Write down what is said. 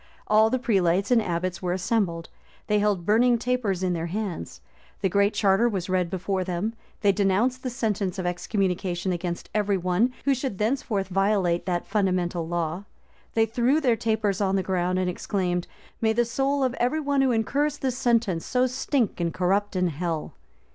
All the prelates and abbots were assembled: they held burning tapers in their hands: the Great Charter was read before them: they denounced the sentence of excommunication against every one who should thenceforth violate that fundamental law: they threw their tapers on the ground, and exclaimed, "May the soul of every one who incurs this sentence so stink and corrupt in hell!"